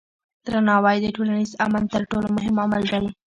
درناوی د ټولنیز امن تر ټولو مهم عامل دی.